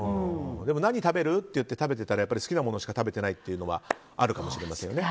何食べる？って食べてたら好きなものしか食べてないというのはあるかもしれないですね。